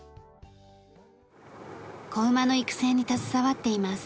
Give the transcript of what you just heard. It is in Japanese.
子馬の育成に携わっています。